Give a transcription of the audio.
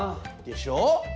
でしょ？